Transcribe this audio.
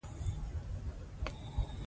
افغانستان کې نفت د هنر په اثار کې منعکس کېږي.